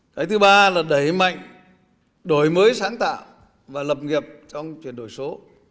cái thứ ba là đẩy mạnh đổi mới sáng tạo và lập nghiệp trong chuyển đổi số